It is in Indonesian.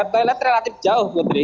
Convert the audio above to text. toilet relatif jauh putri